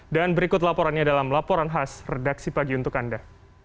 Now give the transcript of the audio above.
dan berikut laporannya dalam laporan khas redaksi pagi untuk anda